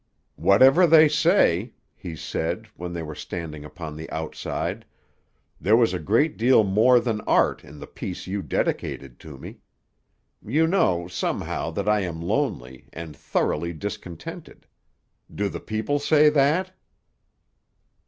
"Whatever they say," he said, when they were standing upon the outside, "there was a great deal more than art in the piece you dedicated to me. You know, somehow, that I am lonely, and thoroughly discontented. Do the people say that?"